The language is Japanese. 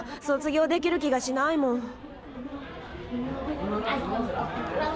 卒業できる気がしないもん。